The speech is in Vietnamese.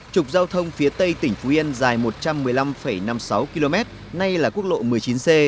trục giao thông phía tây tỉnh phú yên dài một trăm một mươi năm năm mươi sáu km nay là quốc lộ một mươi chín c